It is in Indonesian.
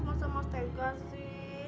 masa mas tega sih